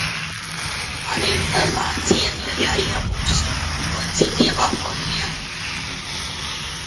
Man informācija ir jāiegūst no citiem avotiem.